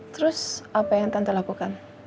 terus apa yang tante lakukan